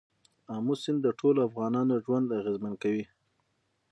آمو سیند د ټولو افغانانو ژوند اغېزمن کوي.